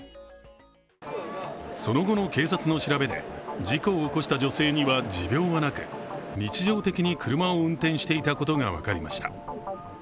その後の警察の調べで事故を起こした女性には持病はなく、日常的に車を運転していたことが分かりました。